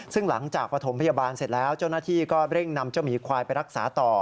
ซึ่งหลังจากประถมพยาบาลเสร็จแล้วเจ้าหน้าที่ก็เร่งนำเจ้าหมีควายไปรักษาต่อ